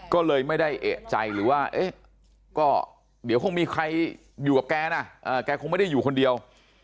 ก็เลยไม่ได้เอกใจหรือว่าเอ๊ะก็เดี๋ยวคงมีใครอยู่กับแกนะแกคงไม่ได้อยู่คนเดียว